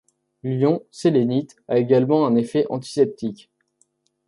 L'ion sélénite a également un effet antiseptique.